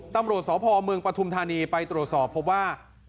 ตำรวจสพเมืองปฐุมธานีไปตรวจสอบพบว่า